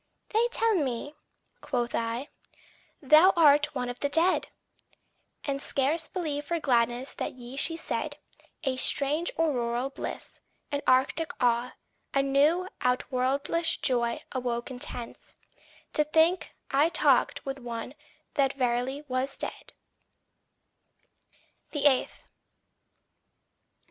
"They tell me," quoth I, "thou art one of the dead!" And scarce believed for gladness the yea she said; A strange auroral bliss, an arctic awe, A new, outworldish joy awoke intense, To think I talked with one that verily was dead.